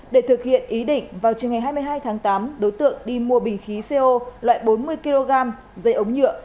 để thực hiện ý định vào trường ngày hai mươi hai tháng tám đối tượng đi mua bình khí co loại bốn mươi kg dây ống nhựa